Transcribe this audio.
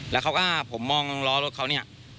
แล้วเขาก็ผมมองล้อรถเขาเนี่ย